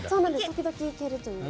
時々いけるという。